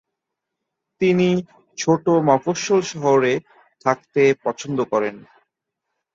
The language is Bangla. তিনি ছোট মফস্বল শহরে থাকতে পছন্দ করতেন।